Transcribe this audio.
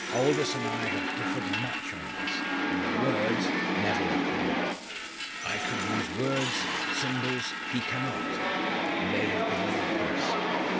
Aldous and I have differed much on this in words never at heart! I could use words, symbols he cannot and they have given me peace.